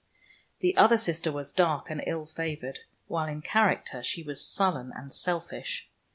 The other sister was dark and ill favored, while in character she was sullen and selfish.